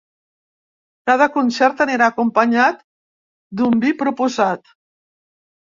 Cada concert anirà acompanyat d’un vi proposat.